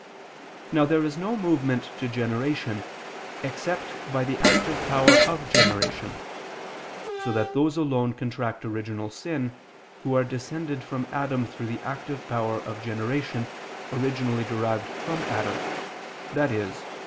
Now there is no movement to generation except by the active power of generation: so that those alone contract original sin, who are descended from Adam through the active power of generation originally derived from Adam, i.e.